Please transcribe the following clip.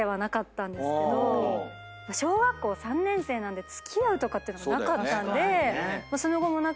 小学校３年生なんで付き合うとかっていうのがなかったんでその後も。